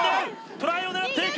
トライを狙っていく！